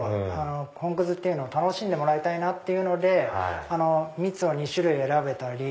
本くずっていうのを楽しんでもらいたいので蜜を２種類選べたり。